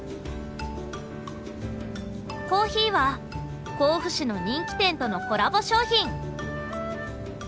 コーヒーは甲府市の人気店とのコラボ商品。